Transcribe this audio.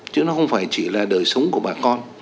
chứ nó không phải chỉ là đời sống của bà con